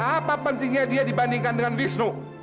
apa pentingnya dia dibandingkan dengan bistro